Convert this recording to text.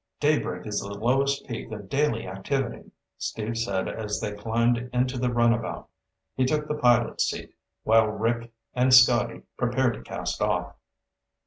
"Daybreak is the lowest peak of daily activity," Steve said as they climbed into the runabout. He took the pilot's seat, while Rick and Scotty prepared to cast off.